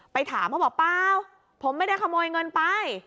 ไปถามเขาบอกเปล่าผมไม่ได้ขโมยเงินไป